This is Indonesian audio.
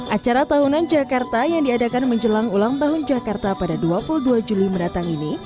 acara tahunan jakarta yang diadakan menjelang ulang tahun jakarta pada dua puluh dua juli mendatang ini